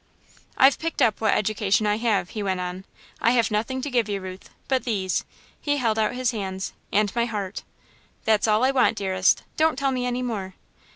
"I've picked up what education I have," he went on. "I have nothing to give you, Ruth, but these " he held out his hands "and my heart." "That's all I want, dearest don't tell me any more!"